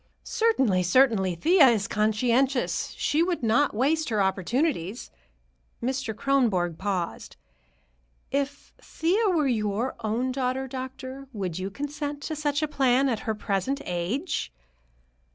"Certainly, certainly. Thea is conscientious. She would not waste her opportunities." Mr. Kronborg paused. "If Thea were your own daughter, doctor, would you consent to such a plan, at her present age?"